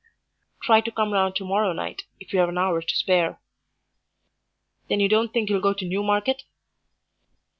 "Try to come round to morrow night if you've an hour to spare." "Then you don't think you'll go to Newmarket?"